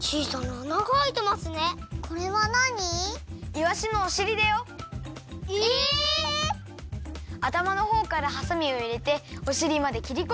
あたまのほうからハサミをいれておしりまできりこみをいれるよ。